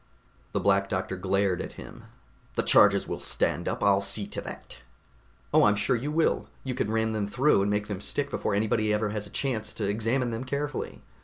The Black Doctor glared at him. "The charges will stand up, I'll see to that." "Oh, I'm sure you will! You can ram them through and make them stick before anybody ever has a chance to examine them carefully.